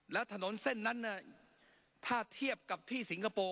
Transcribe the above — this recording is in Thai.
แล้วถนนเส้นนั้นถ้าเทียบกับที่สิงคโปร์